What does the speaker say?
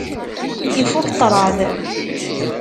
Ifukk ṭṭṛad.